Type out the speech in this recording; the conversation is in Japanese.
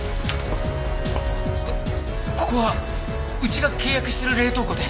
ここはうちが契約してる冷凍庫で。